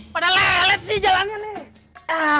pada lelet sih jalannya nih